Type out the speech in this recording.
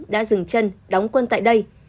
đã dừng chân đóng quân tại đây